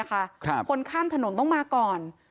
คนข้ามถนนต้องมาก่อน